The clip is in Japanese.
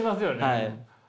はい。